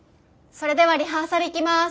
それではリハーサルいきます。